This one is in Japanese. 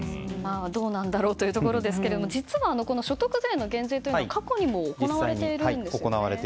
どうなんだろうというところですが実は、この所得税の減税は過去にも行われているんです。